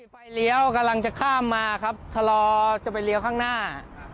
ไฟเลี้ยวกำลังจะข้ามมาครับชะลอจะไปเลี้ยวข้างหน้า